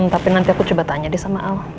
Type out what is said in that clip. tapi nanti aku coba tanya deh sama allah